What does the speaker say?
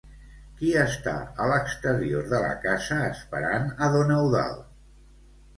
Qui està a l'exterior de la casa esperant a don Eudald?